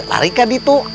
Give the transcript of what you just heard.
larikan dia tuh